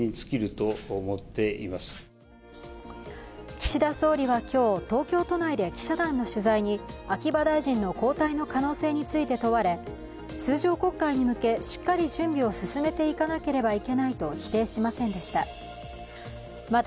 岸田総理は今日、東京都内で記者団の取材に秋葉大臣の交代の可能性について問われ、通常国会に向けしっかり準備を進めしいかなければいけないと否定しませんでした。